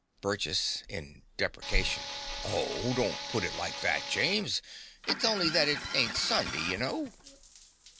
BURGESS (in deprecation). Oh, don't put it like that, James. It's only that it ain't Sunday, you know.